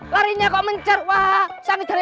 larinya kok mencar wah